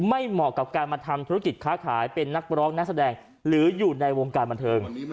เหมาะกับการมาทำธุรกิจค้าขายเป็นนักร้องนักแสดงหรืออยู่ในวงการบันเทิง